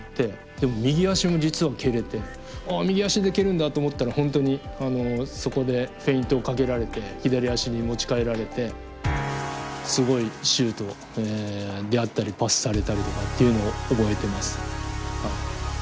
でも右足も実は蹴れて「あ右足で蹴るんだ」と思ったら本当にそこでフェイントをかけられて左足に持ち替えられてすごいシュートであったりパスされたりとかというのを覚えてます。